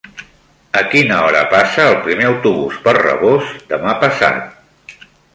A quina hora passa el primer autobús per Rabós demà passat?